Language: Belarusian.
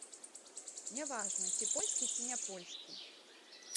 Не важна, ці польскі, ці не польскі.